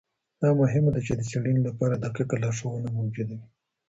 دا مهمه ده چي د څېړنې لپاره دقیقه لارښوونه موجوده وي.